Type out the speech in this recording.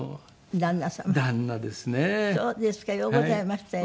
ようございましたよね。